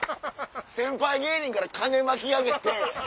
先輩芸人から金巻き上げて。